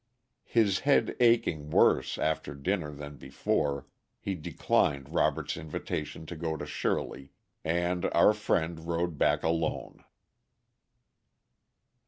His head aching worse after dinner than before, he declined Robert's invitation to go to Shirley, and our friend rode back alone.